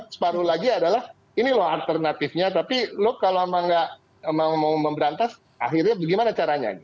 separuh lagi adalah ini loh alternatifnya tapi lo kalau nggak mau memberantas akhirnya bagaimana caranya